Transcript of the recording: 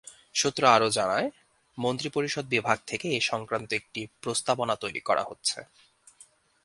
সূত্র আরও জানায়, মন্ত্রিপরিষদ বিভাগ থেকে এ সংক্রান্ত একটি প্রস্তাবনা তৈরি করা হচ্ছে।